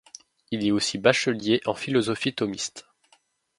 Il est aussi bachelier en philosophie thomiste.